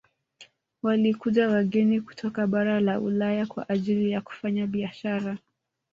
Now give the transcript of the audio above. Walikuja wageni kutoka bara la ulaya kwa ajili ya kufanya biasahara